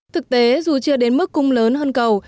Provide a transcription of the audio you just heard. thực tế dù chưa đến mức cung lớn hơn cầu